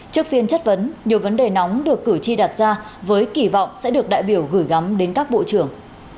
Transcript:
trước phiên chất vấn nhiều vấn đề nóng được cử tri đặt ra với kỳ vọng sẽ được đại biểu gửi gắm đến các bộ trưởng